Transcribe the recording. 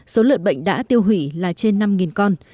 số lợn bệnh đã tiêu hủy là trên năm con